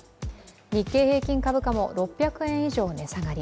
日経平均株価も６００円以上値下がり。